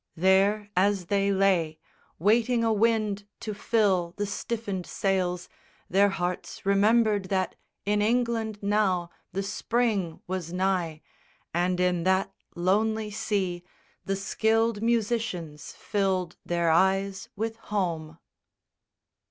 There, as they lay, Waiting a wind to fill the stiffened sails, Their hearts remembered that in England now The Spring was nigh, and in that lonely sea The skilled musicians filled their eyes with home.